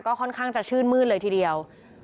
ค่อนข้างจะชื่นมืดเลยทีเดียว